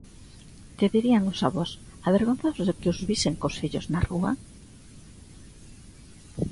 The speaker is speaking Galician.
Que dirían os avós, avergonzados de que os visen cos fillos na rúa?